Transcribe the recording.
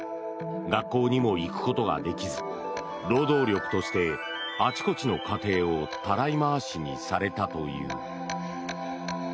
学校にも行くことができず労働力としてあちこちの家庭をたらい回しにされたという。